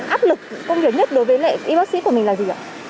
áp lực công việc nhất đối với lại y bác sĩ của mình là gì ạ